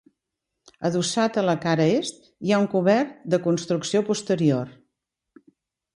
Adossat a la cara est hi ha un cobert de construcció posterior.